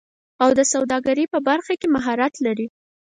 او د سوداګرۍ په برخه کې مهارت لري